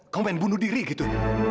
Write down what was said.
kamu pengen bunuh diri gitu